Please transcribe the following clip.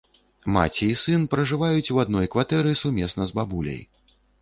Маці і сын пражываюць у адной кватэры сумесна з бабуляй.